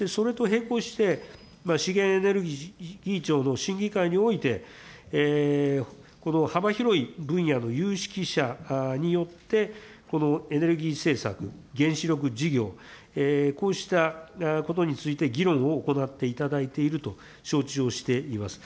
そしてそれと並行して資源エネルギー庁の審議会において、この幅広い分野の有識者によってこのエネルギー政策、原子力事業、こうしたことについて、議論を行っていただいていると承知をしています。